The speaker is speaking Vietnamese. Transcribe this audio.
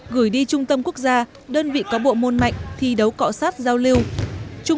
gửi đi trung tâm quốc gia đơn vị có bộ môn mạnh thi đấu cọ sát giao lưu